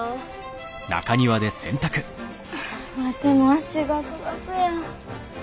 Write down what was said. ワテも足ガクガクや。